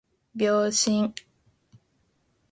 秒針